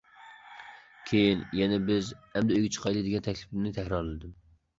كېيىن يەنە بىز ئەمدى ئۆيگە چىقايلى، دېگەن تەلىپىمنى تەكرارلىدىم.